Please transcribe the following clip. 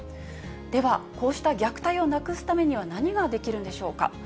では、こうした虐待をなくすためには何ができるんでしょうか。